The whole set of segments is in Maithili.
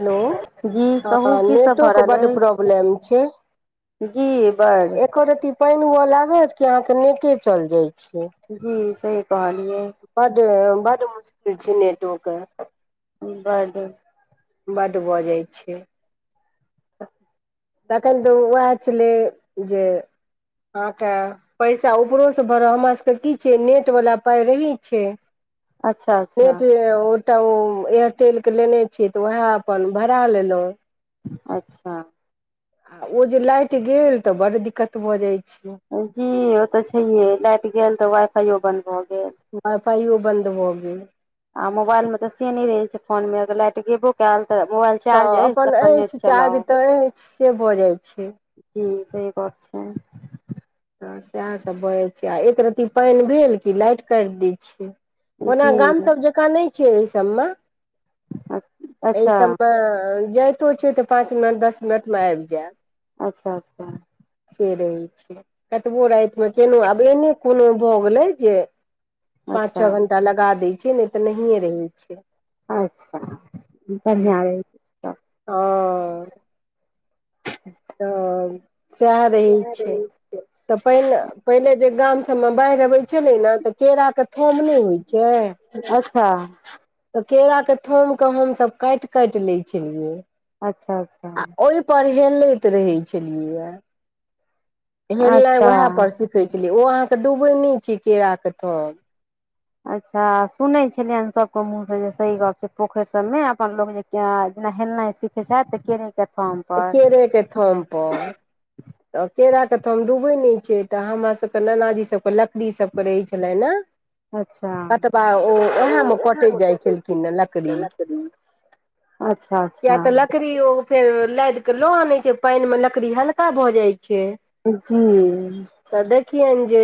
हेलो जी कहू हँ की सब नेटो भ के रहल बड अछि प्रॉब्लम जी बड़ एको रत्ति पानि हुअ लागत कि अहाँके नेटे चल जाइ छै जी सही कहलीये बड बड मुश्किल छै नेटो क बड बड भऽ जाइ छै तखन तऽ उएह छलै जे अहाँ कऽ पैसा ऊपरो सँ भराउ हमरा सबके की छै नेट वाला पाइ रहै छै अच्छा अच्छा नेट ओ तो ओ एयरटेलके लेने छियै तऽ वएह अपन भरा लेलै अच्छा ओ जे लइट गेल तऽ बड दिक्कत भऽ जाय छै जी ओ तऽ छैहे लाइट गेल तऽ वाइ फाइयो बंद भऽ गेल वाइ फाइयो बन्द भऽ गेल आ मोबाइल मे तऽ से नइ रहे छै फोन मे अगर लाइट गेबो कैल तऽ मोबाइल चार्ज तऽ अछि अपन नेट अछि चार्ज चलाउ तऽ अछि से भऽ जाइत छै जी सही बात छै तऽ सेहा सब भ जाइ छै आ एक रत्ती पानि भेल कि लाइट काटि दै छियै ओना गाम जी सभ जेकाँ नै छै एहि सभ म एहि अच्छा सबमे जाइतो छै तऽ पाँच मिनट दस मिनट मऽ आइब जायत अच्छा अच्छा से रहै छै कतबो रात मे केहनउ आब एने कोनो भ गेलै जे पाँच अच्छा छ घण्टा लगा दैत छै नहि तऽ नहिये रहैत छै अच्छा बढ़िया रहे ओ तब सएह रहै छै तऽ पाइन पहिने जे गाम सब मऽ बाढ़ि अबैत छलै ने तऽ केरा के थम नहि होइ छै अच्छा तऽ केराक के थोम के हमसभ काइट काइट लै छलियै अच्छा अच्छा आ ओहि पर हेलैत रहे छलियै य हेलनाइ ओहा अच्छा पर सिखै छलिए ओ अहाँके डूबे नै छै केरा के थम अच्छा सुनै छलियनि सबके मुँह से जे सही गप छै पोखर सभमे अपन लोग जे जे हेलनाई सिखे छै त केरे के थम पर एके थम पर त केरा कऽ थम डूबै नहि छै तऽ हमरासभके नानाजीसभके लकड़ीसभके रहै छलनि हँ अच्छा कटबा ओ उएहमे कटे जाइ छलखिन लकड़ी अच्छा अच्छा किया त लकड़ीयो फेर लाइद क लऽ आनै छै पाईन म लकड़ी हल्का भऽ जाइ छै जी त देखियैन जे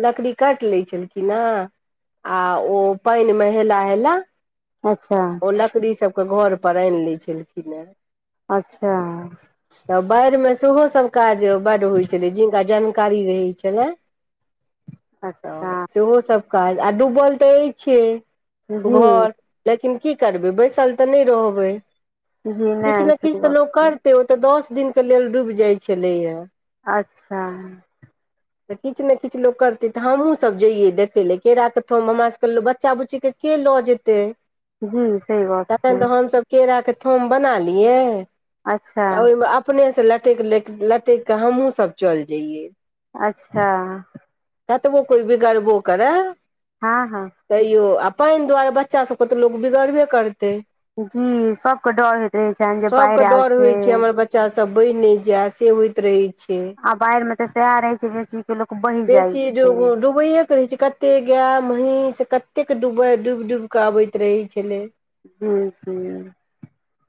लकड़ी काटि ले छलखिन है आ ओ पानि म हेला हेला अच्छा ओ लकड़ीसभ के घर पर आइन लै छलखिन ह अच्छा तऽ बाढ़ि मे सेहो सब काज बड होइ छलै जिनका जानकारी रहै छलै तऽ अच्छा सेहो सभ काज आ डूबल तऽ अछि जी घर लेकिन की करबै बैसल त नइ रहबै जी किछ नहि ने किछ सही त गप लोक छै करतै ओ त दस दिनके लेल डूब जाइ छलै य अच्छा [inaudible] तऽ किछ ले किछ लोक करतै तऽ हमहूँसभ जैयै देखय लेए केरा के थम हमरासभकेँ लोक बच्चा बुच्चीके के ल जेते जी सही गप तखन छै तऽ हमसभ केराके थोम बना लियै अच्छा ओहि अपने से लट लटकि कऽ हमहूँ सब चलि जइयै अच्छा कतवो कोई बिगरबो करै हँ हँ तैयो आ पानि दुआरे बच्चाभकेँ तऽ लोक बिगड़बे करतै जी सबके डर होइत रहे छनि जे बाढ़ि आयल छै बच्चा सब बन ने जाय से होइत रहै छै आ बाढ़ि मे तऽ सएह रह छै बेसी वह बेसी ज डुबैए क रहै छै कतेक गाय महीस से कतेक डूबैत डूबि डूबि कऽ आबैत रहै छलै जी जी [unintelligible]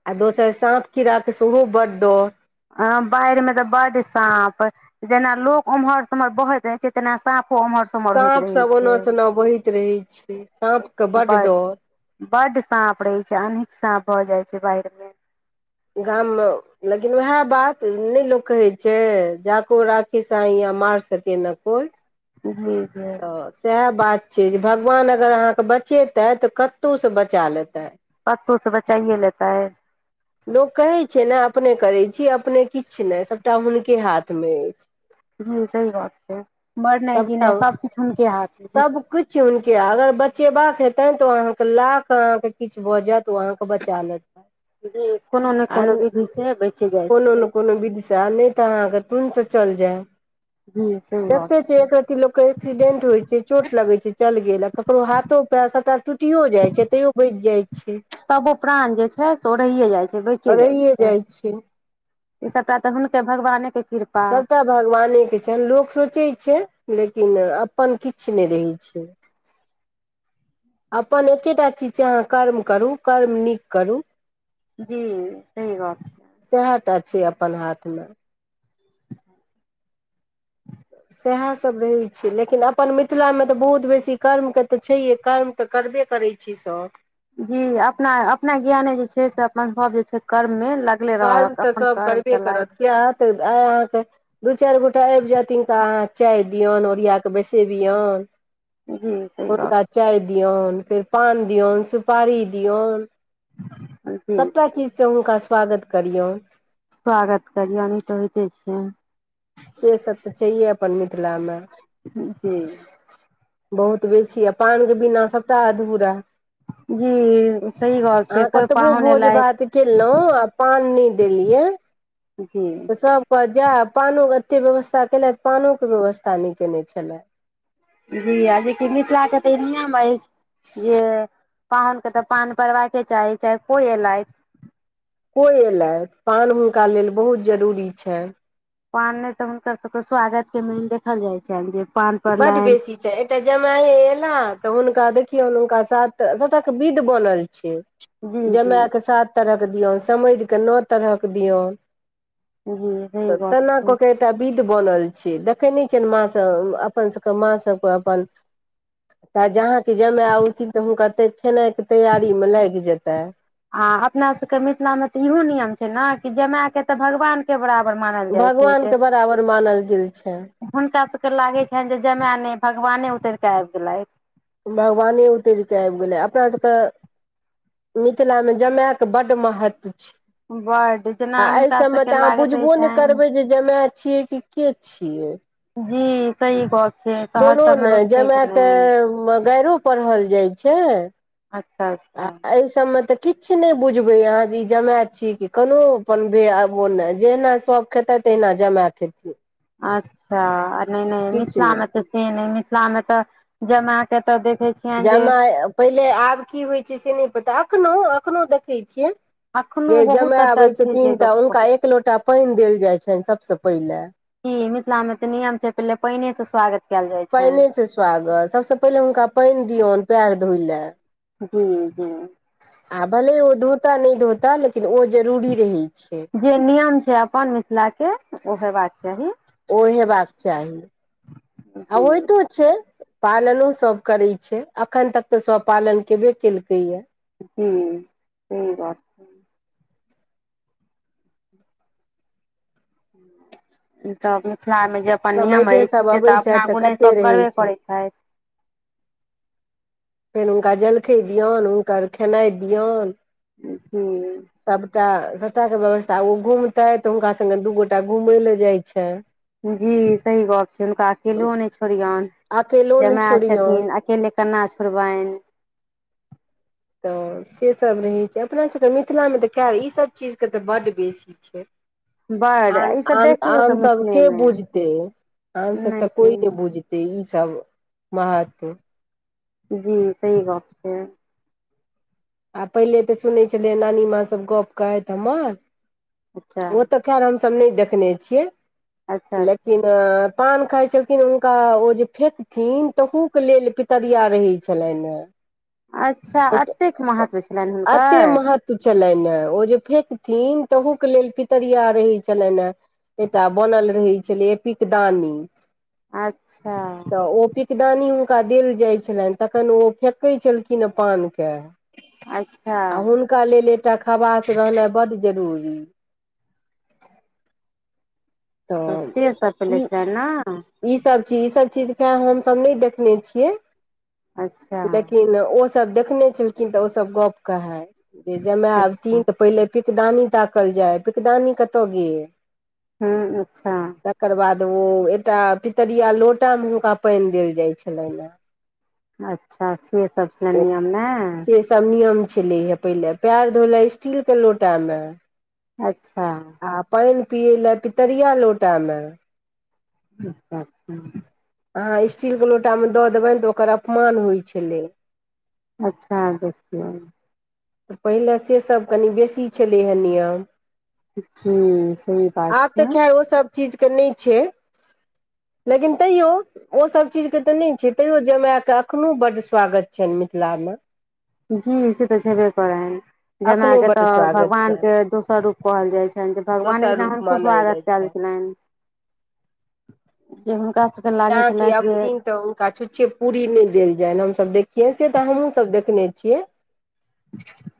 आ दोसर साँप कीड़ा के सेहो बड डर ह बाढ़ में त बड साँप जेना लोक उम्हर सेम्हर बहैत रहैत छै तेना साफो उम्हर सेम्हर होइत साँप रहै सब ओना छै सोना बहैत रहै छै साँपके बड्ड बड डर बड सााँप रहे छै अनेक साँप भए जाय छै बाढ़ में गाम में लेकिन उएह बात नहि लोक कहै छै जाको राखी साईया मार सके ने कोई जी जी सएह बात छै जे भगवान अगर अहाँके बचेतै तऽ कतहु से बचा लेतै पतो से बचाइए लेता है लोक कहैत छै ने अपने करैत छी अपने किछु नहि सभटा हुनके हाथमे अछि जी सही बात छै मरनाइ जीना सबकिछ हुनके हाथ में किछ हुनके अगर बचेबाक हेते त ओ अहाँके ला क अहाँके किछ भ जायत ओ अहाँके बचा लेत जी कोनो ने आ कोनो विधि से बच जाइ कोनो छै ने कोनो विधा नहि तऽ अहाँके तन्स चल जाय जी सही बात देखते छै छ लोक के एक्सीडेंट होइ छै चोट लगे छै चल गेल ककरो हाथो पेर सबटा टूटियो जाय छै तैयो बच जाइ छै तबो प्राण जे छै से ओ रहिए जाइ छै बचे जाइ छै ई सबटा त हुनके भगवाने के कृपा सबटा भगवाने के छन लोक सोचे छै लेकिन अपन किछ ने रहै छै अपन एकेटा चीज छै अहाँ कर्म करूँ कर्म नीक करूँ जी सही गोप सएह टा छै अपन हाथ मे सएह सब रहै छै लेकिन अपन मिथिलामे त बहुत बेसी कर्म के त छैहे कर्म त करबे करै छि सब जी अपना अपना ज्ञाने जे छै से अपन सब जे छै कर्म मे ल कर्म रहक त अपन सभ करबे करत किएत आय अहाँके दू चार गोटा आब जायथि हिनका अहाँ चाय दियन ओरिया क बैसेबियन हूॅ सही बात चाय दियऔन फेर पान दियऔन सुपारी दियऔन छै जी सभटा चीजसँ हुनका स्वागत करियौ स्वागत करियौ नहि तऽ होइते छै सेसभ त छैहे अपन मिथिलामे जी बहुत बेसी आ पान के बिना सभटा अधूरा जी सही गप अह छै कोइ कतबो पाहुन भोज भात एलथि केलहुँ आ पान नहि देलियै जी तऽ सभ जा पानो के एते व्यवस्था केलथि पानो के व्यवस्था न केने छला जी आज के मिथिलाके त ए नियाम अछि जे पाहुन के तऽ पान परड़बाके चाही चाहे कोई एलैथ कोई एयले पान हुनका लेल बहुत जरूरी छैन पान नहि तऽ हुनकर सभके स्वागत के मेन देखल जाइ छनि जे पान बड परलनि बेसी च एकटा जमाए एला त हुनका देखियौ हुनका साथ सटाके विध बनल छै जी जी जमाएके सात तरहक दियौ समैध कऽ नओ तरहक दियौ जी सही गप तेना कऽ छै के एकटा विध बनल छै देखै नहि छियनि म अपन सबके मा सकूँ अपन तऽ जहाँके जमा अउथिन तऽ हुनका तऽ खेनाइ के तैयारी मे लागि जेतै आ अपना सभके मिथिला मे तऽ इहो नियम छै न कि जमायके तऽ भगवान के बराबर मानल जाइ छै भगवान जे के बराबर मानल गेल छै हुनका सभके लागै छनि जे जमाय नहि भगवाने उतरि कऽ आबि गेलथि भगवाने उतरि कऽ आबि गेलै अपना सभके मिथिलामे जमायके बड महत्व छै बड आ जेना एहि हुनका सभमे सबके त अहाँ लागैत रहै बुझबो ने छनि करबै जे जमाए छियै कि के छियै जी सही बात कोनो ने जमा त गैरूप पढ़ल जाइ छै अच्छा आ अच्छा एहि सबमे तऽ किछु नहि बुझबै अहाँ जे ई जमाय छी कि कोनो अपन आब ने जेना सब आ त न जामायले आखेिय [unintelligible] अच्छा नहि नहि किछु मिथिला आमे नहि त से नहि मिथिला मे तऽ जमा के त देखे छी जमा पहिले आब की होइत छै से नहि पता एखनहु एखनहु देखै छियै एखनो जे जमाय बहुत एतय आबैत छै जे छथिन तऽ लोक हुनका एक लोटा पानि देल जाइत छनि सभसँ पहिले ईी मिथिला में ते नियम छै पहिले पानने से स्वागत कयल जाइ पानिए छनि छै स्वागत सभसँ पहिले हुनका पानि दियऔन पएर धोय ल हू हू आ भले ओ धोता नहि धोता लेकिन ओ जरूरी रहै छै जे नियम छै अपन मिथिला के ओ हेबाक चाही ओ हेबाक चाही आ जी ओहि तो छै पालनो सब करे छै अखन तक तऽ सब पालन केबे केलकै ये हू सही बात है तऽ मिथिलामे जे अपन नियम समैधे अछि सभ से अबै तऽ छथि अपना गुण कते सभ रहै करबे छै करैत छथि फेर हुनका जलखै दियऔनि हुनकर खेनाई दियऔन ह [unintelligible] [unintelligible] सभटा सभटा के व्यवस्था ओ घूमते तऽ हुनका संगे दू गोटा घूमेय लऽ जाई छै जी सही गप छै हुनका अकेलो नहि छोड़ियन अकेलो नहि जमाय छोड़ियौन छथिन अकेले केना छोड़बनि तऽ से सब रहै छै अपना सबके मिथिला मे तऽ ई सब चीज के तऽ बड बेसी छै बड आन ई सब आन देखियौ आन तऽ सब के मिथिलेमे बुझते आन सब तऽ कोई नहि बुझते ईसभ महत्व जी सही गप छै आ पहिले तऽ सुनै छलियै नानी माँ सब गप कहैत हमर अच्छा ओ तऽ खैर हम सब नहि देखने छियै अच्छा अच्छा लेकिन पान खाय छलखिन हुनका ओ जे फेेकथिन तहू के लेल पितरिया रहै छलनि ह अच्छा एतेक महत्व छलनि एते हुनकर महत्व छलनि हे ओ जे फेेकथिन तहूके लेल पितरिया रहै छलनि ह एकटा बनल रहै छलै ए पिकदानी अच्छा तऽ ओ पिक पीकदानी हुनका देल जाइत छलनि तखन ओ फेेकैत छलखिने पान के अच्छा आ हुनका लेल एकटा खवास रहनाइ बड जरूरी त तऽ से सब प ले छै ने [unintelligible] ई सब चीज ई सब चीज खेर हमसब नहि देखने छियै अच्छा लेकिन ओसभ देखने छलखिन तऽ ओसभ गप्प कहै जे अच्छा जमायबथिन तऽ पहिले पिकदानी ताकल जाय पिकदानी कतय गेल हूँ अच्छा तकर बाद ओ एकटा पितरिया लोटामे हुनका पानि देल जाइ छलनि हे अच्छा से सब छले ओ नियमे ने से सब नियम छलै हे पहिले पैड़ धोले स्टील के लोटा मे अच्छा आ पानि पियै लए पितरिया लोटामे अच्छा अच्छा [unintelligible] अहाँ स्टीलके लोटामे दऽ देबनि तऽ ओकर अपमान होइ छलै अच्छा देखियौ पहिले सेसभ कनि बेसी छलै हेँ नियम जी सही बात छै चीज के नहि छै लेकिन तैयो ओसभ चीजके तऽ नहि छै तैयो जमाएकेऽ एखनोहु बड्ड स्वागत छनि मिथिलामे जी से तऽ छैबे करैैन जमाय एखनो के बड्ड तऽ स्वागत छनि भगवानके दोसर रूप कहल जाई छनि जे भगवान एक दोसर दिना रूप हुनको मानल जाइ स्वागत चल छनि च लन [unintelligible] [inaudible] जे हुनकासे [unintelligible] जहाँ क अबथिन तऽ छुच्छे पूरी नहि देल जय हमस देखियै से तऽ हमहूँ सब देखने छियै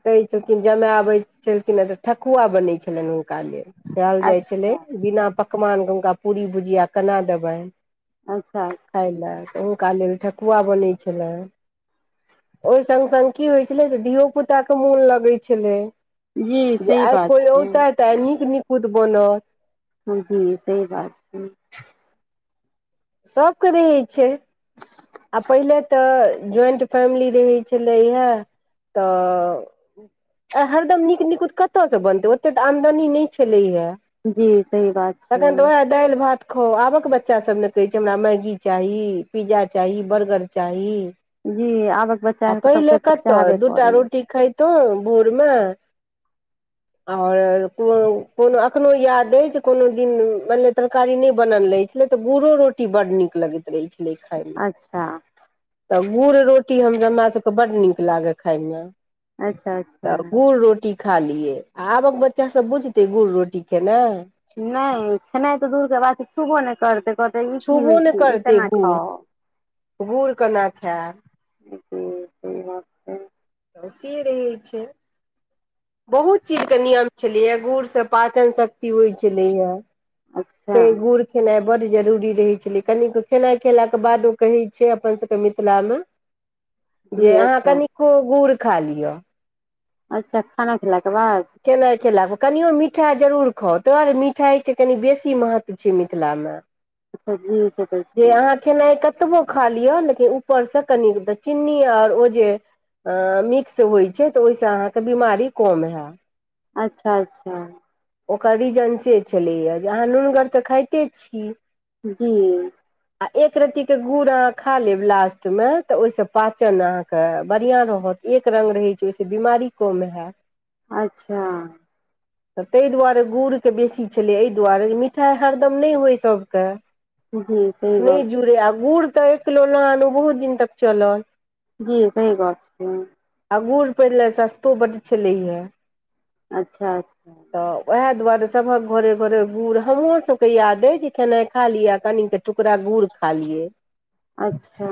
कहै छलखिन जमाय आबैत छलखिन हे तऽ ठकुआ बनै छलनि हुनका लेल कहयल जाइ छलै अच्छा बिना पकवानके हुनका पूरी भुजिया केना देबै अच्छा खाई लए तऽ हुनका लेल ठकुआ बनैत छलनि ओहि सग सग की होइ छलै तऽ धियोपुताके मोन लगै छलै जी जे सही आई बात कोई छै औताे तऽ आई झझ नीक नीपुत बनत जी जी सही बात छै [unintelligible] सबके रहै छै आ पहिल तऽ जॉइंट फैमिली रहै छलै हे तऽ हरदम नीक निकुत कतयसँ बनतै ओतेक तऽ आमदनी नहि छलै हे जी सही बात छै दालि भात खाउ आबक बच्चासभ ने कहैत छै हमरा मैगी चाही पिज्जा चाही बर्गर चाही जी आबक बच्चा आ पहिले सबके तऽ कतहु चाहबे दूटा करैय रोटी खाय तू बुरमे आओर को कोनो कखनो याद अछि जे कोनो दिन मान तरकारी नहि बनल रहै छलै तऽ गुड़ो रोटी बड न लग छल छलै खायमे अच्छा तऽ गुड़ रोटी हम हमरा सभके बड्ड नीक लागै खाायमे अच्छा अच्छा तऽ गुड़ रोटी खा लियै आबक बच्चा सब बुझतै गुड़ रोटी खेनाई नहि खेनाई तऽ दूर के बात छुबो नहि करतै ई की छुबो होइ नहि छै ई करतै केना कोअ खाउ गुड़ केना खायब हु हु सी रहै छै बहुत चीजके नियम छलैए गुड़सँ पाचन शक्ति होइ छलैए अच्छा त गुर [unintelligible] खेनाई बड जरूरी रहे छले कनो खेनाई खेलाक के बाद ओ कहे छै अपन सब के मिथिला मे जी जे अहाँ अच्छा कनिको गुड़ खा लिअ अच्छा खाना खेलाके बाद केनाई खेलाक कनिओ मिठा जरूर खाउ तोर मिठाईके कनि बेसी महत्व छै मिथिलामे अच्छा जी सब जे अहाँ खेनाइ कतबो खा लिअ लेकिन ऊपरसँ कनि चीन्नी आर ओ जे अ मिक्स होइ छै तऽ ओहिसँ अहाँके बीमारी कम हैत अच्छा अच्छा ओकर रीजन से छलैए जे अहाँ नूनगर तऽ खाइते छी जी आ एक रत्तीके गुड़ अहाँ खा लेब लास्ट मे तऽ ओहिसँ पाचन अहाँके बढ़िआं रहत एक रंग रहै छै ओहिस बीमारी कम हयत अच्छा तऽ ताहि दुआरे गुड़के बेसी छलै एहि दुआरे मिठाई हरदम नहि होइ सभके जी सही नहि गप जुड़े आ गुड़ तऽ एकिलो लहानो बहुत दिन तक चलल जी सही बात छै अगूर पहिले सस्तो बड छलै हे अच्छा अच्छा तऽ वएह दुआरे सभक घरे घरे गुढ़ हमहरो सबकेँ याद अ जे खेनाइ खा लिअ कनि क टुकरा गुड़ खा लियै अच्छा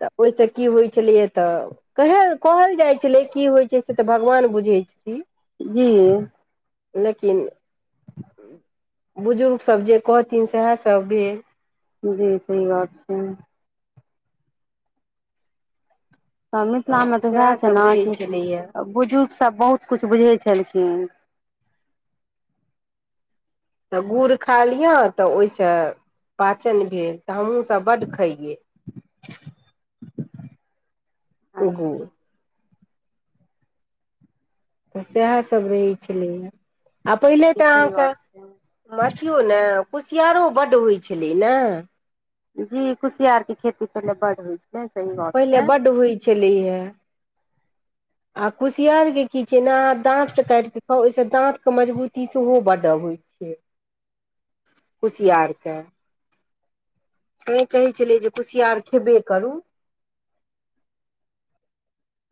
तऽ ओहिसँ की होइ छलियै तऽ कहय कहल जाइ छलै की होइत छै से तऽ भगवान बुझैत छथिन जी लेकिन बुजुर्गसभ जे कहथिन सएहसभ भेल जी सही बात छै त मिथिलामे तऽ वएह छै सएहसभ ने रहै कि छलैए बुजुर्गसभ बहुत किछु बुझै छलखिन तऽ गुड़ खा लिय तऽ ओहिसँ पाचन भेल तऽ हमहूँसभ बड्ड खइयै ओहो तऽ सएहसभ रहै छलैए आ पहिले तऽ सही अहाँके बात छै अथियो ने कुसियारो बड्ड होइत छलै ने जी कुसियार के खेती पहिले बड होइ छै सही बात पहिले छै बड्ड होइ छलै हे आ कुसियारके की छै ने अहाँ दाँतसँ काटि कऽ खाउ ओहिसँ दाँतके मजबूती सेहो बडत कुशियारके त कहै छलियै जे कुसियार खेबे करू